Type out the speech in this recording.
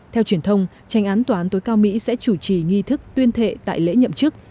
theo truyền thông tranh án tòa án tối cao mỹ sẽ chủ trì nghi thức tuyên thệ tại lễ nhậm chức